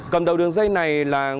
cầm đầu đường dây này là một tỷ đồng